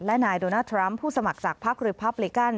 และนายโดนัลดทรัมป์ผู้สมัครจากพักหรือพับลิกัน